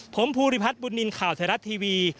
ผมภูริพัฒน์บุญนินทร์ข่าวไทยรัฐทีวี